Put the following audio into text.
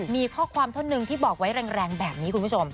มีข้อความท่อนหนึ่งที่บอกไว้แรงแบบนี้คุณผู้ชม